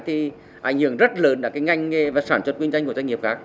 thì ảnh hưởng rất lớn là cái ngành và sản xuất quyên doanh của doanh nghiệp khác